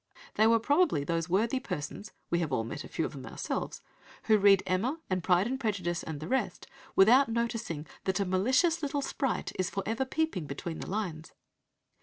They were probably those worthy persons we have all met a few of them ourselves who read Emma, and Pride and Prejudice, and the rest, without noticing that a malicious little sprite is for ever peeping between the lines.